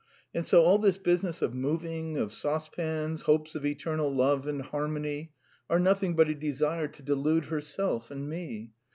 And so all this business of moving, of saucepans, hopes of eternal love and harmony, are nothing but a desire to delude herself and me.